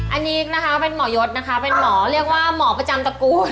อันนี้นะคะเป็นหมอยศนะคะเป็นหมอเรียกว่าหมอประจำตระกูล